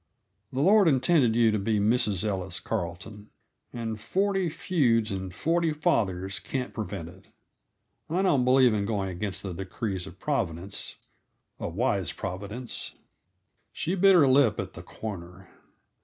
The Lord intended you to be Mrs. Ellis Carleton. And forty feuds and forty fathers can't prevent it. I don't believe in going against the decrees of Providence; a wise Providence." She bit her lip at the corner.